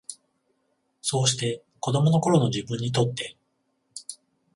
そうして、子供の頃の自分にとって、